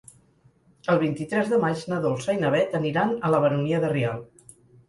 El vint-i-tres de maig na Dolça i na Beth aniran a la Baronia de Rialb.